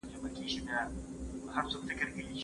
د علومو هدف د بشریت خدمت دی.